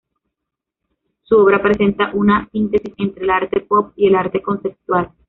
Su obra presenta una síntesis entre el arte pop y el arte conceptual.